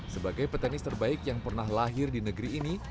sebagai petenis terbaik yang pernah lahir di negeri ini